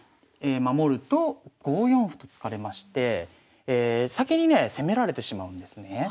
守ると５四歩と突かれまして先にね攻められてしまうんですね。